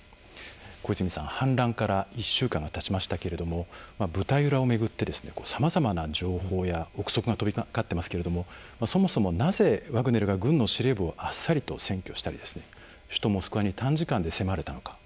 小泉さん、反乱から１週間がたちましたけども舞台裏をめぐってさまざまな情報や憶測が飛び交っていますけどもそもそも、なぜワグネルが軍の司令部をあっさりと占拠したり首都モスクワに短時間で迫れたのか。